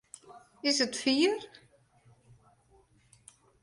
Is it fier?